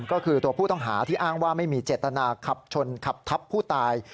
ก็คือตัวผู้ต้องหาที่อ้างว่าไม่มีเจตนาขับชนขับทับผู้ตาย